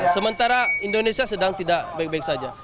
sementara indonesia sedang tidak baik baik saja